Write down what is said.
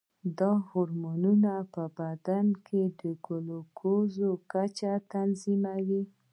دا هورمونونه په بدن کې د ګلوکوز کچه تنظیموي.